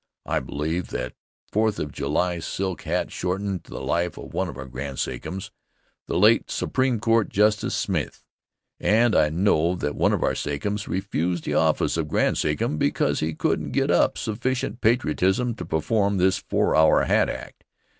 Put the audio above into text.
I believe that Fourth of July silk hat shortened the life of one of our Grand Sachems, the late Supreme Court Justice Smyth, and I know that one of our Sachems refused the office of Grand Sachem because he couldn't get up sufficient patriotism to perform this four hour hat act.